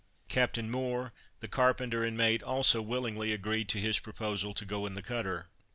Captain Moore, the carpenter and mate, also willingly agreed to his proposal to go in the cutter.